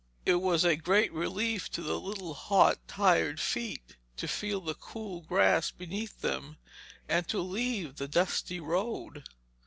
It was a great relief to the little hot, tired feet to feel the cool grass beneath them, and to leave the dusty road.